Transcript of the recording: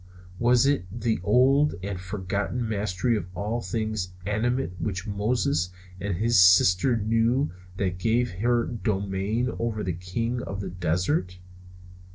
Was it the old and forgotten mastery of all things animate which Moses and his sister knew that gave her dominion over the king of the desert?